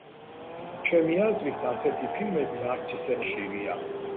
ჩემი აზრით, ასეთი ფილმები არც ისე ხშირია.